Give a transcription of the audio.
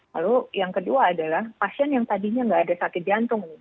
lalu yang kedua adalah pasien yang tadinya nggak ada sakit jantung nih